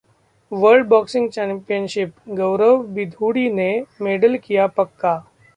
world boxing championship: Gaurav Bidhuri ने medal किया पक्का